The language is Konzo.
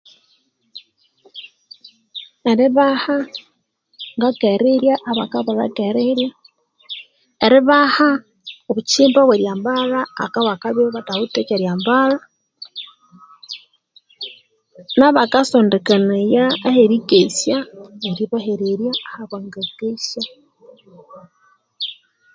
Eribaha ngakeriria abakabulha akerirya eribaha othukyimba thweryambalha, nabakasondekanaya eherikesya eribaha aherikesya